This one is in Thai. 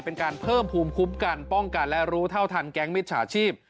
เป็นการเพิ่มภูมิคุ้มกันป้องกันและรู้เท่าทันแก๊งมิจฉาชีพ